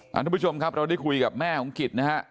สำหรับสุดชมครับเราได้คุยกับแม่ของกิษ